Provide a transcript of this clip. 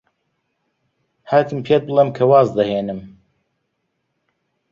هاتم پێت بڵێم کە واز دەهێنم.